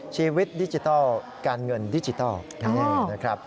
ชีวิตดิจิทัลการเงินดิจิทัล